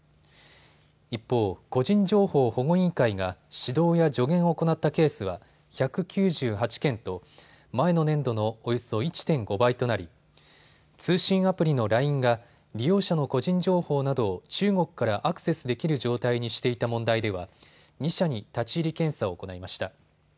一方、個人情報保護委員会が指導や助言を行ったケースは１９８件と前の年度のおよそ１．５倍となり、通信アプリのＬＩＮＥが利用者の個人情報などを中国からアクセスできる状態にしていた問題では２社に立ち入り検査を行いました。